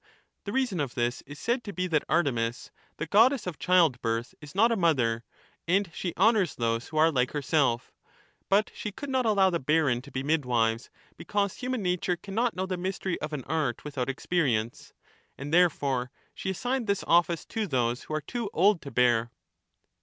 The reason of this is said to be that Artemis— the goddess of childbirth — is not a mother, and she honours those who are like herself; but she could not allow the barren to be midwives. because human nature cannot know the mystery of an art without experience ; and therefore she assigned this office to those who are too old to bear.